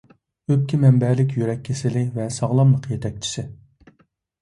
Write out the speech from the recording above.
ئۆپكە مەنبەلىك يۈرەك كېسىلى ۋە ساغلاملىق يېتەكچىسى.